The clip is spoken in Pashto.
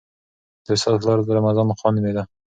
د استاد پلار رمضان خان نومېده.